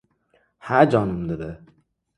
— Ha, jonim?! — dedi.